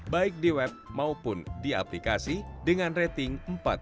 baik di web maupun di aplikasi dengan rating empat